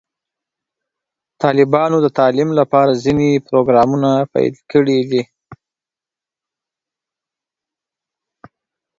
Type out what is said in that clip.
طالبانو د تعلیم لپاره ځینې پروګرامونه پیل کړي دي.